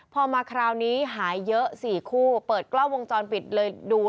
พอมาคราวนี้หายเยอะ๔คู่เปิดกล้องวงจรปิดเลยดู